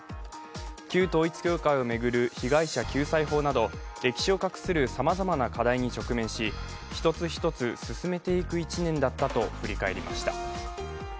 旧統一教会を巡る被害者救済法など、歴史を画するさまざまな課題に直面し一つ一つ進めていく１年だったと振り返りました。